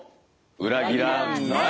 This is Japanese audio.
裏切らない！